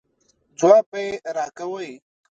ځواب به یې راکوئ.